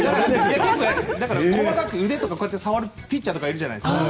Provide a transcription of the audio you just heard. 細かく腕とか触るピッチャーとかいるじゃないですか。